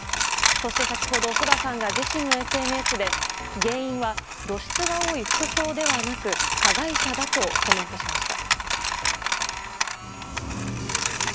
そして先ほどＳＯＤＡさんが自身のＳＮＳで原因は露出が多い服装ではなく加害者だとコメントしました。